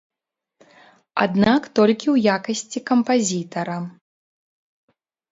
Аднак толькі ў якасці кампазітара.